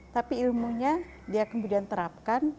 tapi ilmunya dia kemudian terapkan